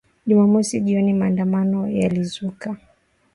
Jumamosi jioni maandamano yalizuka